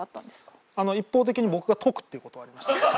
一方的に僕が説くっていう事はありました。